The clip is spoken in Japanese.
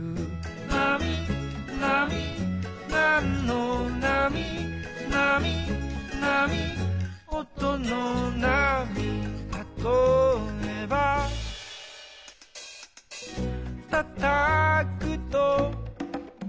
「なみなみなんのなみ」「なみなみおとのなみ」「たとえば」「たたくと」